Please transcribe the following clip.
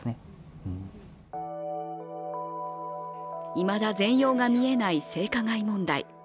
いまだ全容が見えない性加害問題。